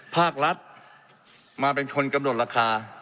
ภาครัฐมาเป็นคนกำหนดราคา